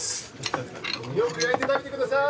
よく焼いて食べてくださーい。